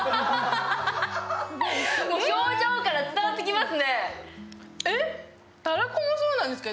表情から伝わってきますね。